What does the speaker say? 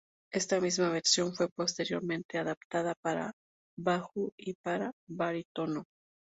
Esta misma versión fue posteriormente adaptada para bajo y para barítono.